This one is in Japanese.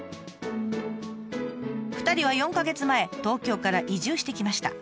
２人は４か月前東京から移住してきました。